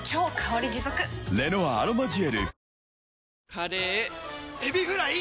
カレーエビフライ！